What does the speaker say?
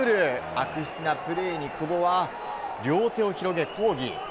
悪質なプレーに久保は両手を広げ抗議。